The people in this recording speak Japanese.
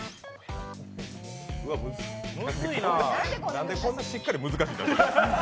なんで、こんなしっかり難しくなる。